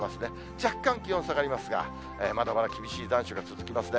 若干気温下がりますが、まだまだ厳しい残暑が続きますね。